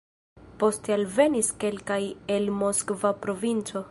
Poste alvenis kelkaj el Moskva provinco.